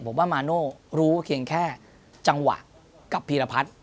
ผมว่ามาโน่รู้แค่งแค่จังหวะกับปีระพัด